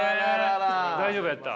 大丈夫やった？